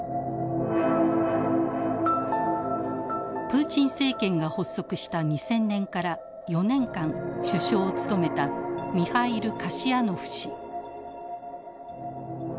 プーチン政権が発足した２０００年から４年間首相を務めたミハイル・カシヤノフ氏。